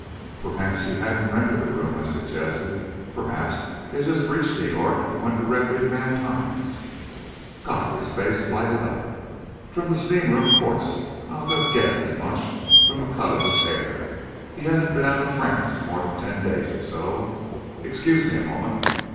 "Perhaps he hadn't rented a room," I suggested. "Perhaps he had just reached New York, and went direct to Vantine's." Godfrey's face lighted up. "From the steamer, of course! I ought to have guessed as much from the cut of his hair. He hasn't been out of France more than ten days or so. Excuse me a moment."